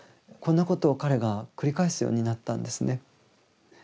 こんなことを彼が繰り返すようになったんですね。